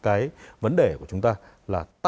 cái vấn đề của chúng ta là